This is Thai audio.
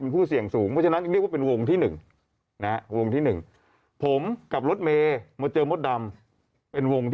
เพราะฉะนั้นเรียกว่าเป็นวงที่๑ผมกับลดเมล์มาเจอมดดำเป็นวงที่๒